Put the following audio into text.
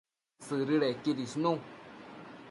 Sëdëdequid isnu